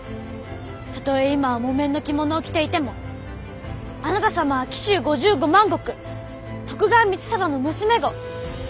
たとえ今は木綿の着物を着ていてもあなた様は紀州五十五万石徳川光貞の娘御！